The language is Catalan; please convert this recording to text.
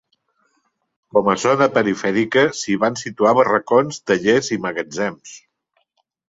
Com a zona perifèrica, s'hi van situar barracons, tallers i magatzems.